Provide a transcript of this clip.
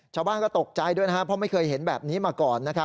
ชาวบ้านก็ตกใจด้วยนะครับเพราะไม่เคยเห็นแบบนี้มาก่อน